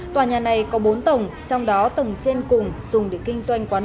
tòa nhà này có bốn tầng trong đó tầng trên cùng dùng để kinh doanh quán